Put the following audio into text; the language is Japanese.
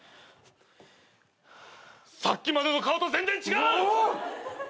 さっきまでの顔と全然違う！